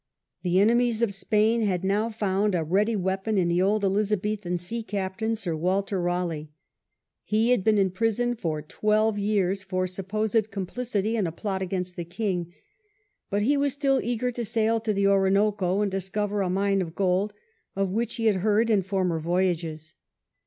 The enemies of Spain had now found a ready weapon in the old Elizabethan sea captain, ^r Walter Raleigh. He had been in prison for twelve years for supposed complicity in a plot against the king. But he was still eager to sail to the Orinoco and discover a mine of gold of which he had heard in former voyages.